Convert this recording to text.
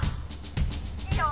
「いいよ」